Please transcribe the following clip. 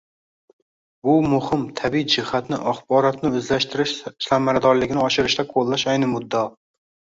Bu muhim tabiiy jihatni axborotni o‘zlashtirish samaradorligini oshirishda qo‘llash ayni muddao.